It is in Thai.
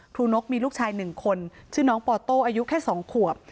ครูนกมีลูกชายหนึ่งคนชื่อน้องป่อโต้อายุแค่สองขวบ